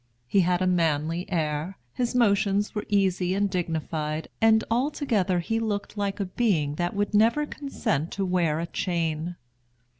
He had a manly air, his motions were easy and dignified, and altogether he looked like a being that would never consent to wear a chain.